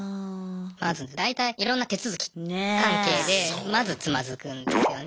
まず大体いろんな手続き関係でまずつまずくんですよね。